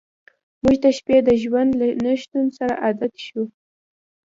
موږ د شپې د ژوند له نشتون سره عادت شو